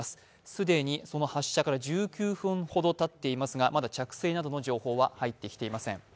既にその発射から１９分ほどたっていますが、まだ着水などの情報は入ってきていません。